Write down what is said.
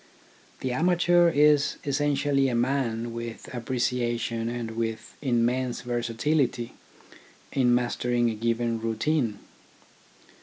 The amateur is essentially a man with apprecia tion and with immense versatility in mastering a given routine.